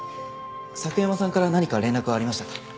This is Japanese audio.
佐久山さんから何か連絡はありましたか？